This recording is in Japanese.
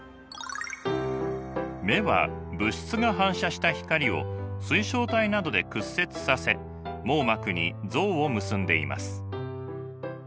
目は物質が反射した光を水晶体などで屈折させ網膜に像を結んでいます。